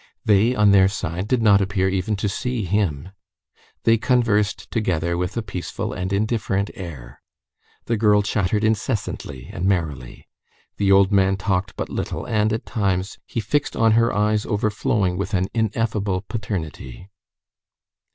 They, on their side, did not appear even to see him. They conversed together with a peaceful and indifferent air. The girl chattered incessantly and merrily. The old man talked but little, and, at times, he fixed on her eyes overflowing with an ineffable paternity.